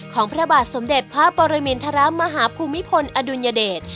พระบาทสมเด็จพระปรมินทรมาฮภูมิพลอดุลยเดช